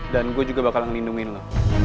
dan gue juga bakal ngelindungin lo